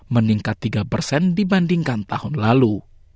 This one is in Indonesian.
meningkat tiga persen dibandingkan tahun lalu